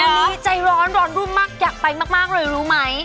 อันนี้ใจร้อนร้อนรุ่มมากอยากไปมากเลยรู้ไหม